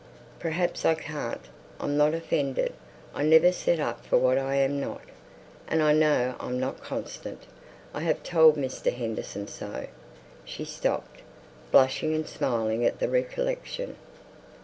"Perhaps I can't. I'm not offended. I never set up for what I am not, and I know I'm not constant. I've told Mr. Henderson so " She stopped, blushing and smiling at the recollection.